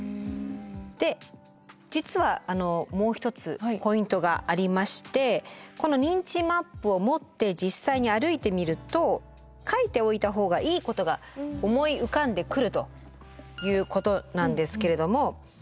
で実はもう一つポイントがありましてこの認知マップを持って実際に歩いてみると書いておいた方がいいことが思い浮かんでくるということなんですけれども。